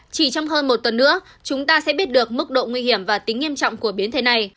chỉ trong hơn một tuần nữa chúng ta sẽ biết được mức độ nguy hiểm và tính nghiêm trọng của biến thế này